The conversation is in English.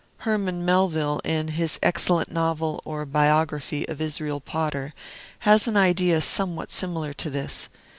Herman Melville, in his excellent novel or biography of "Israel Potter," has an idea somewhat similar to this.